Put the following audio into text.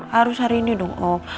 harus hari ini dong